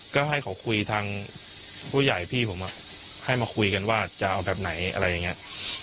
ก็ให้เขาคุยทางผู้ใหญ่พี่ผมให้มาคุยกันว่าจะเอาแบบไหนอะไรอย่างนี้